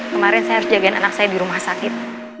kemarin saya harus jagain anak saya di rumah sakit